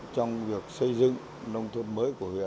trong việc xây dựng nông thuận mới